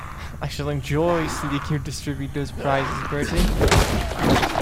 I shall enjoy seeing you distribute those prizes, Bertie.